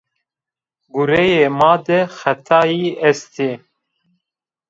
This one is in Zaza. Gureyê ma de xetayî estê